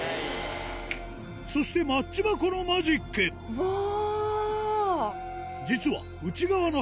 そしてマッチ箱のマジックうわぁ！